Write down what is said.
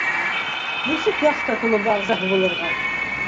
Нисек яхта клубы ағзаһы булырға?